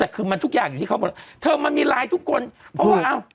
แต่คือมันทุกอย่างอยู่ที่เขาบอกเธอมันมีไลน์ทุกคนเพราะว่าอ้าว